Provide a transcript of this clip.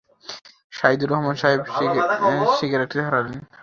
সাইদুর রহমান সাহেব সিগারেট ধরালেন।